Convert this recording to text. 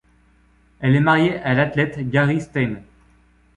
Elle est mariée à l'athlète Gary Staines.